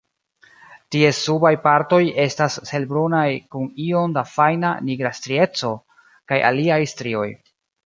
Ties subaj partoj estas helbrunaj kun iom da fajna nigra strieco kaj aliaj strioj.